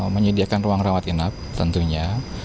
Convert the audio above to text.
menyediakan ruang rawat inap tentunya